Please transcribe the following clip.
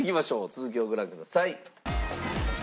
続きをご覧ください。